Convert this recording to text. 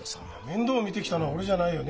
面倒見てきたのは俺じゃないよ。